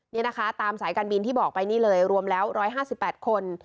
นี่นะคะตามสายการบินที่บอกไปนี่เลยรวมแล้ว๑๕๘คน